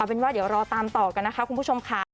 เป็นว่าเดี๋ยวรอตามต่อกันนะคะคุณผู้ชมค่ะ